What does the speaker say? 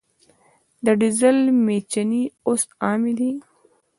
د ډیزل میچنې اوس عامې دي.